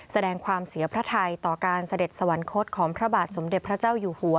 แสดงความเสียพระไทยต่อการเสด็จสวรรคตของพระบาทสมเด็จพระเจ้าอยู่หัว